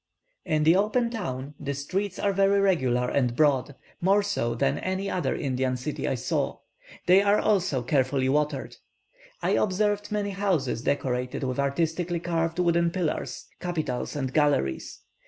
In the Open Town, the streets are very regular and broad, more so than any other Indian city that I saw; they are also carefully watered. I observed many houses decorated with artistically carved wooden pillars, capitals, and galleries.